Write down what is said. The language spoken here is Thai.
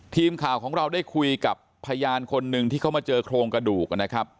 ทีมข่าวของเราได้คุยกับพยานคนหนึ่งที่เขามาเจอโครงกระดูกนะครับ